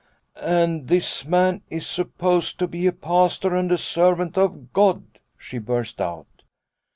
' And this man is supposed to be a Pastor and servant of God/ she burst out.